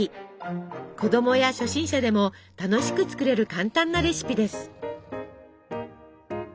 子供や初心者でも楽しく作れる簡単なレシピです。